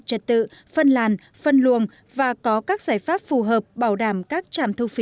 trật tự phân làn phân luồng và có các giải pháp phù hợp bảo đảm các trạm thu phí